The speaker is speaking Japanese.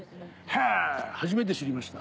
へぇ初めて知りました。